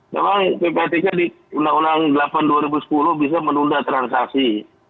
memang ppatk di undang undang delapan dua ribu sepuluh bisa menunda transaksi